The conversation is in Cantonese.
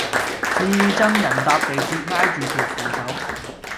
至憎人搭地鐵挨住條扶手